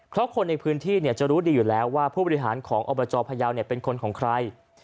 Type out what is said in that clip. เพราะคนในพื้นที่จะรู้ดีอยู่แล้วว่าผู้บริหารของอบจพยาวเป็นคนของใคร